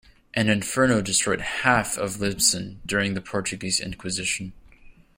An inferno destroyed half of Lisbon during the Portuguese inquisition.